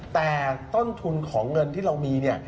แต่ต้นทุนของเงินที่เรามี